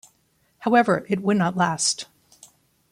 However, it would not last.